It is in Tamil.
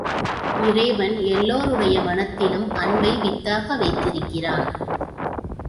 இறைவன் எல்லோருடைய மனத்திலும் அன்பை வித்தாக வைத்திருக்கிறான்.